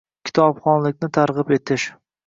Kitobxonlikni targʻib etish